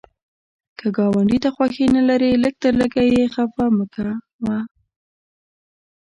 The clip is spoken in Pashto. که ګاونډي ته خوښي نه لرې، لږ تر لږه یې خفه مه کوه